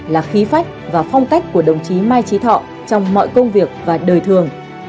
là khí phách và phong cách của đồng chí mai trí thọ trong mọi công việc và đời thường